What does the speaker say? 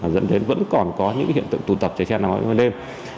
dẫn đến vẫn còn có những hiện tượng tụ tập chạy xe nặng hói vào đêm